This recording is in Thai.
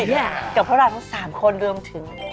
เนี่ยกับพวกเราทั้ง๓คนรวมถึง